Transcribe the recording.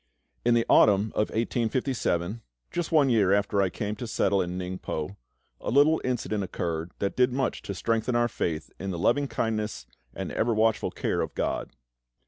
In the autumn of 1857, just one year after I came to settle in Ningpo, a little incident occurred that did much to strengthen our faith in the loving kindness and ever watchful care of GOD.